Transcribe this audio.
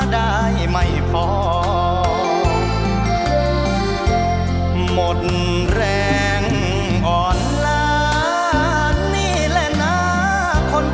ช่วยฝังดินหรือกว่า